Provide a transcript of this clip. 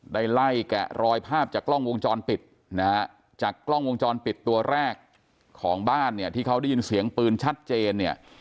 ได้ไล่แกะรอยภาพจากกล้องวงจรปิดนะฮะจากกล้องวงจรปิดตัวแรกของบ้านเนี่ยที่เขาได้ยินเสียงปืนชัดเจนเนี่ย